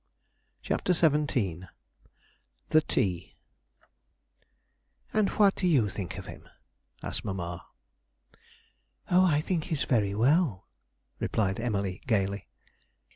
CHAPTER XVII THE TEA 'And what do you think of him?' asked mamma. 'Oh, I think he's very well,' replied Emily gaily.